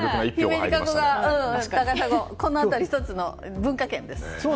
この辺り、１つの文化圏です。